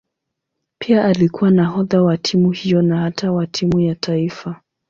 Pia alikuwa nahodha wa timu hiyo na hata wa timu ya taifa.